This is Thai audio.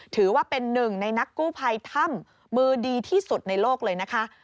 ถือว่าเป็นหนึ่งในนักกู้ภัยถ้ำมือดีที่สุดในโลกเลยนะคะ